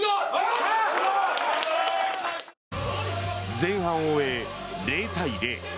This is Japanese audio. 前半を終え、０対０。